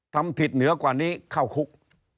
ทำผิดเหนือกว่านี้เข้าคุก